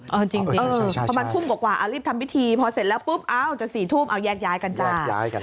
เอาจริงประมาณทุ่มกว่าเอารีบทำพิธีพอเสร็จแล้วปุ๊บจะ๔ทุ่มเอาแยกย้ายกันจ้ะ